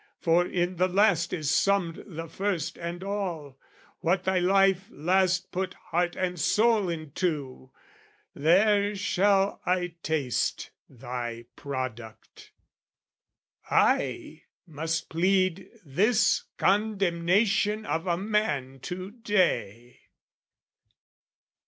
"For in the last is summed the first and all, "What thy life last put heart and soul into, "There shall I taste thy product." I must plead This condemnation of a man to day.